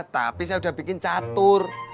tapi saya udah bikin catur